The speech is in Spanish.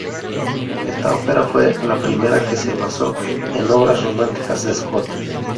Esta ópera fue la primera que se basó en obras románticas de Scott.